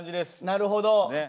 なるほど。